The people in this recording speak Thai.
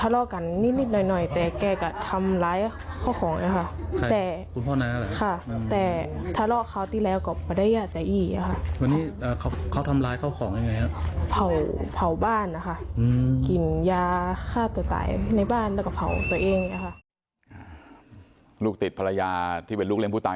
แรงทะเลาะกันนี้แล้วก็พ่อน้าที่เป็นลูกเล่นผู้ตาย